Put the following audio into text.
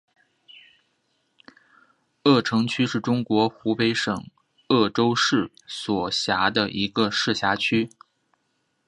鄂城区是中国湖北省鄂州市所辖的一个市辖区。